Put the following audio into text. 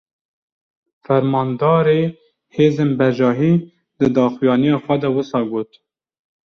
Fermandarê hêzên bejahî, di daxuyaniya xwe de wisa got: